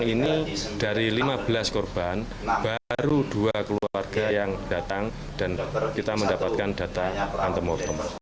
ini dari lima belas korban baru dua keluarga yang datang dan kita mendapatkan data antemortem